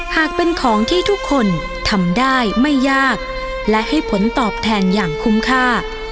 หากเป็นของที่ทุกคนทำได้ไม่ยากและให้ผลตอบแทนอย่างคุ้มค่า